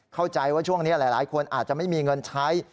เข้าใจว่าช่วงนี้หลายคนอาจจะไม่มีเงินใช้